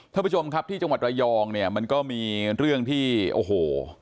ท่านผู้ชมครับที่จังหวัดระยองเนี่ยมันก็มีเรื่องที่โอ้โห